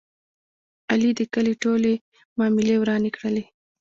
علي د کلي ټولې معاملې ورانې کړلې.